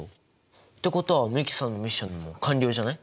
ってことは美樹さんのミッションも完了じゃない？